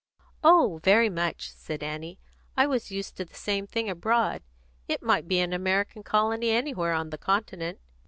"Oh, very much," said Annie. "I was used to the same thing abroad. It might be an American colony anywhere on the Continent."